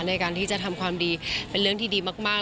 ในการที่จะทำความดีเป็นเรื่องที่ดีมาก